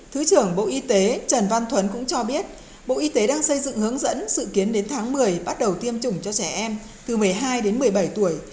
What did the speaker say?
thứ trưởng bộ y tế trần văn thuấn cũng cho biết bộ y tế đang xây dựng hướng dẫn sự kiến đến tháng một mươi bắt đầu tiêm chủng cho trẻ em từ một mươi hai đến một mươi bảy tuổi